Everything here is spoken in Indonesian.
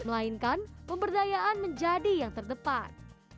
melainkan pemberdayaan menjadi yang terdepan